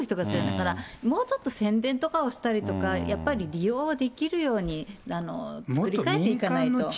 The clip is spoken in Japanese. だから、もうちょっと宣伝とかをしたりとか、やっぱり利用できるように作り変えていかないと。